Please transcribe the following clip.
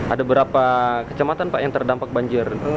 ada berapa kecamatan pak yang terdampak banjir